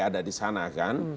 ada di sana kan